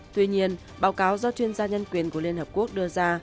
tuy nhiên báo cáo do chuyên gia nhân quyền của liên hợp quốc đưa ra